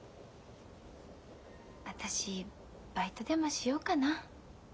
私バイトでもしようかな。